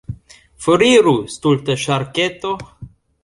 Foriru, stulta ŝarketo!